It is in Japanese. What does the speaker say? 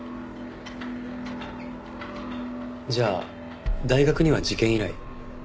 じゃあ大学には事件以来。